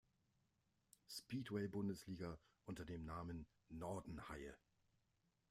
Speedway-Bundesliga unter dem Namen "Norden-Haie".